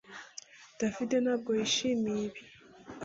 David ntabwo yishimiye ibi